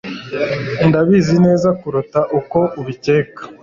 Ndabizi neza kuruta uko ubikeka